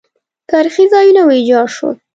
تاریخي ځایونه ویجاړ شول